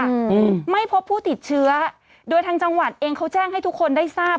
อืมไม่พบผู้ติดเชื้อโดยทางจังหวัดเองเขาแจ้งให้ทุกคนได้ทราบ